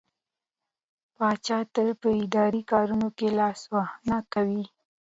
پاچا تل په اداري کارونو کې لاسوهنه کوي.